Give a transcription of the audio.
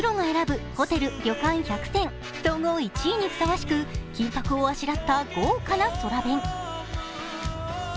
プロが選ぶホテル・旅館１００選総合１位にふさわしく金ぱくをあしらった豪華な空弁。